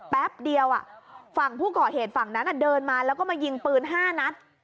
แป๊บเดียวฝั่งผู้ก่อเหตุฝั่งนั้นเดินมาแล้วก็มายิงปืน๕นัด